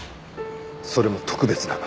それも特別な。